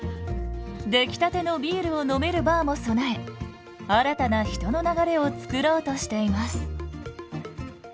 出来たてのビールを飲めるバーも備え新たな人の流れを作ろうとしています。